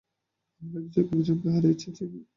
আমরা একজনকে হারিয়েছি, জিমি।